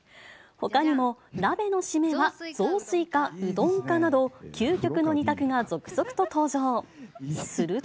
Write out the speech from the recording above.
ほかにも鍋の締めは雑炊かうどんかなど、究極の２択が続々と登場。